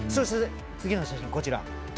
次の写真が、こちら。